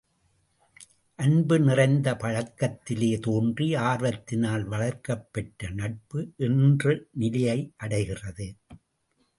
அன்பு நிறைந்த பழக்கத்திலே தோன்றி ஆர்வத்தினால் வளர்க்கப்பெற்று நட்பு என்ற நிலையை அடைகிறது.